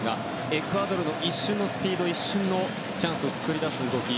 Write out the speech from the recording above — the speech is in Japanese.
エクアドルの一瞬のスピード一瞬のチャンスを作り出す動き。